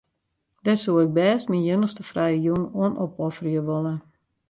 Dêr soe ik bêst myn iennichste frije jûn oan opofferje wolle.